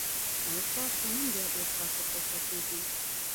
ملک صاحب خو نن بیا ډېر کار ته پورته کېږي